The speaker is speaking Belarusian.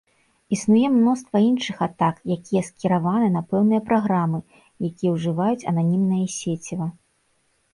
Існуе мноства іншых атак, якія скіраваны на пэўныя праграмы, якія ўжываюць ананімнае сеціва.